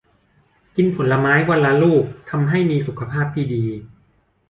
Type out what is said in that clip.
กินผลไม้วันละลูกทำให้มีสุขภาพที่ดี